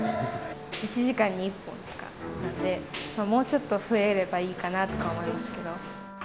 １時間に１本とかなんで、もうちょっと増えればいいかなとか思いますけど。